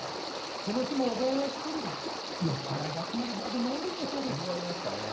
その日も小沢は１人で酔っぱらいが集まるバーで飲んでいたそうです。